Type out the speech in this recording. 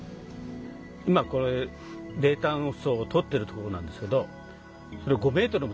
今これ泥炭層を採ってるところなんですけど５メートルも！